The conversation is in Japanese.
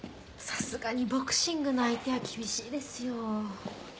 さすがにボクシングの相手は厳しいですよ。